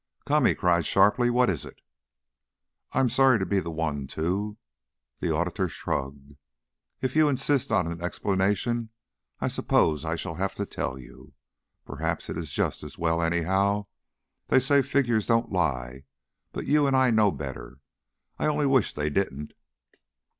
"Come!" he cried, sharply. "What is it?" "I'm sorry to be the one to " The auditor shrugged. "If you insist on an explanation, I suppose I shall have to tell you. Perhaps it's just as well, anyhow. They say figures don't lie, but you and I know better. I only wish they didn't."